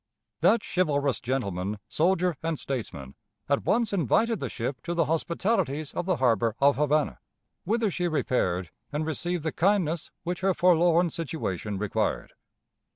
That chivalrous gentleman, soldier, and statesman, at once invited the ship to the hospitalities of the harbor of Havana, whither she repaired and received the kindness which her forlorn situation required.